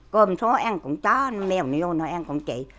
cô một số ăn cũng chó mèo này vô nó ăn cũng chị